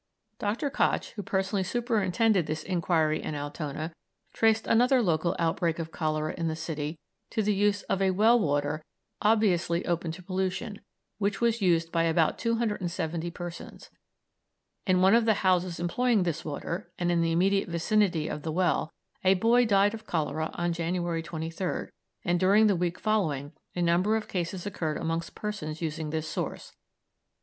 Dr. Koch, who personally superintended this inquiry in Altona, traced another local outbreak of cholera in the city to the use of a well water obviously open to pollution, which was used by about 270 persons. In one of the houses employing this water, and in the immediate vicinity of the well, a boy died of cholera on January 23rd, and during the week following a number of cases occurred amongst persons using this source.